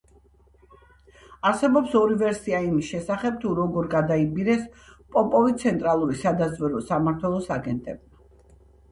არსებობს ორი ვერსია იმის შესახებ, თუ როგორ გადაიბირეს პოპოვი ცენტრალური სადაზვერვო სამართველოს აგენტებმა.